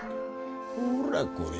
ほらこれや。